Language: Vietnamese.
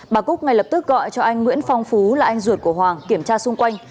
bà cúc ngay lập tức gọi cho anh nguyễn phong phú là anh ruột của hoàng kiểm tra xung quanh